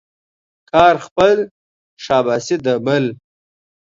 کار خپل ، شاباسي د بل.